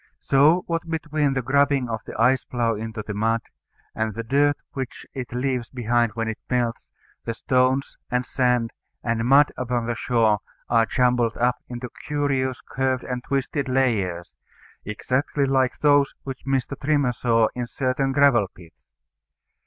So, what between the grubbing of the ice plough into the mud, and the dirt which it leaves behind when it melts, the stones, and sand, and mud upon the shore are jumbled up into curious curved and twisted layers, exactly like those which Mr. Trimmer saw in certain gravel pits.